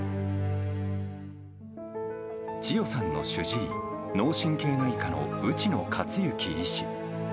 チヨさんの主治医、脳神経外科の内野勝行医師。